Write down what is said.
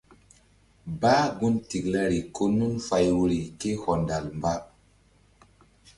Bah gun tiklari ko nun fay woyri ké hɔndal mba.